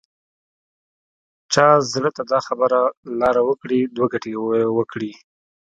چا زړه ته دا خبره لاره وکړي دوه ګټې وکړي.